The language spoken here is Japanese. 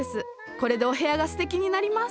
これでお部屋がすてきになります。